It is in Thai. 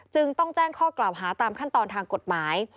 จึงต้องแจ้งข้อกล่าวหาตามขั้นตอนทางกฎหมาย